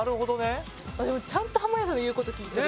でもちゃんと濱家さんの言う事聞いてる。